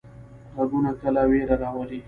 غږونه کله ویره راولي.